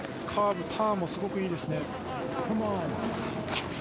カーブ、ターンもすごくいいですね。